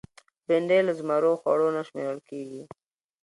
بېنډۍ له زمرو خوړو نه شمېرل کېږي